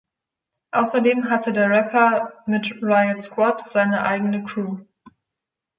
Außerdem hatte der Rapper mit Riot Squad seine eigene Crew.